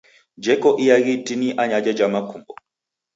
Jeko iaghi itini anyaja ja makumbo.